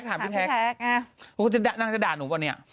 คุณพึกจะด่านิวป่ะเนี่ย